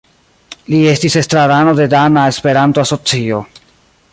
Li estis estrarano de Dana Esperanto Asocio.